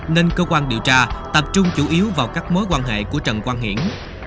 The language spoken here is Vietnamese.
nên cơ quan điều tra tập trung chủ yếu vào các mối quan hệ của trần quang hiển